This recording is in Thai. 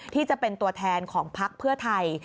ที่จะเป็นตัวแทนของพักเพื่อไทย